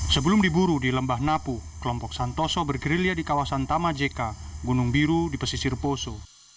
sebelum diburu di lembah napu kelompok santoso bergerilya di kawasan tamajeka gunung biru di pesisir poso